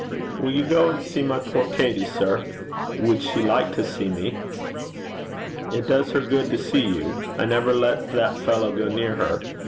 'Will you go and see my poor Katey, sir?' 'Would she like to see me?' 'It does her good to see you. I never let that fellow go near her.